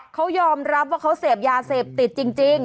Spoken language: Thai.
เขายอมรับว่าเขาเสพยาเสพติดจริง